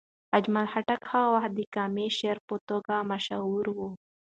اجمل خټک هغه وخت د قامي شاعر په توګه مشهور و.